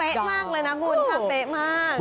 เป๊ะมากเลยนะคุณค่ะเป๊ะมาก